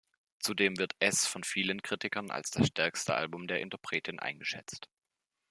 Zudem wird es von vielen Kritikern als das stärkste Album der Interpretin eingeschätzt.